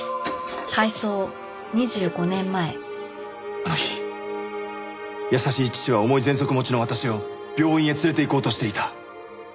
あの日優しい父は重い喘息持ちの私を病院へ連れていこうとしていた。